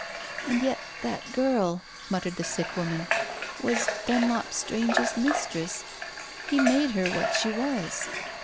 "And yet that girl," muttered the sick woman, " was Dunlop Strange's mistress. He made her what she was."